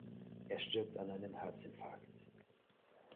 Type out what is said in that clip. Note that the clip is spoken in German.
Er stirbt an einem Herzinfarkt.